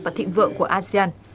và thịnh vượng của asean